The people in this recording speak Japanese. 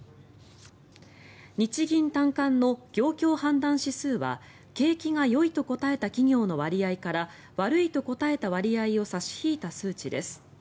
日銀短観の業況判断指数は景気がよいと答えた企業の割合から悪いと答えた割合を差し引いた数値です。